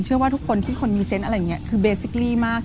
เชื่อว่าทุกคนที่คนมีเซนต์อะไรอย่างนี้คือเบซิกรี่มาก